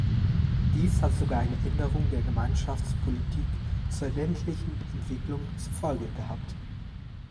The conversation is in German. Dies hat sogar eine Änderung der Gemeinschaftspolitik zur ländlichen Entwicklung zur Folge gehabt.